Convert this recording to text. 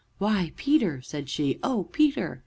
"Why Peter!" said she. "Oh Peter!"